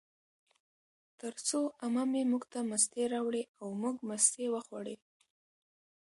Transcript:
ترڅو عمه مې موږ ته مستې راوړې، او موږ مستې وخوړې